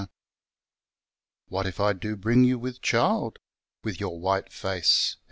r. What if I do bring you with child^ With your white face, &fr.